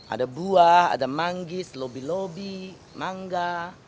ada buah manggis lobi lobi mangga